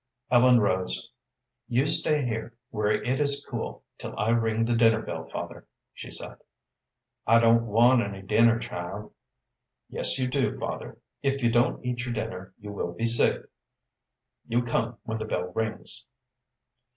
Ellen rose. "You stay here, where it is cool, till I ring the dinner bell, father," she said. "I don't want any dinner, child." "Yes, you do, father. If you don't eat your dinner you will be sick. You come when the bell rings."